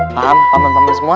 paham paman paman semua